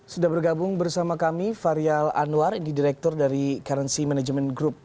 sudah bergabung bersama kami farial anwar di direktur dari currency management group